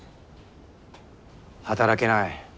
働けない